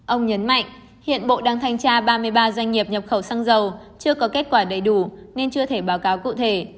ông nhấn mạnh hiện bộ đang thanh tra ba mươi ba doanh nghiệp nhập khẩu xăng dầu chưa có kết quả đầy đủ nên chưa thể báo cáo cụ thể